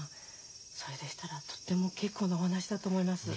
それでしたらとっても結構なお話だと思います。ね！